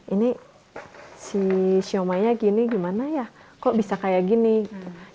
ini si syomi nya gini gimana ya kok bisa kaya gini nyari nyari lah dulu ada mbah google